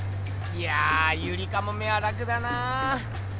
いやゆりかもめは楽だなぁ。